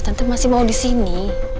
tante masih mau di sini